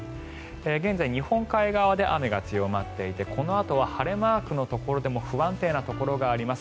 現在日本海側で雨が強まっていてこのあとは晴れマークのところでも不安定なところがあります。